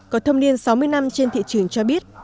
có thông niên sáu mươi năm trên thị trường cho biết